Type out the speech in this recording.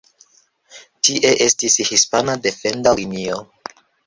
Tie estis hispana defenda linio.